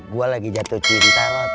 gue lagi jatuh cinta